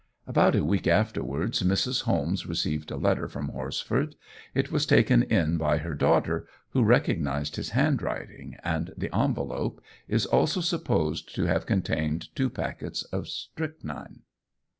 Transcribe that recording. About a week afterwards Mrs. Holmes received a letter from Horsford. It was taken in by her daughter, who recognised his handwriting, and the envelope is also supposed to have contained two packets of strychnine.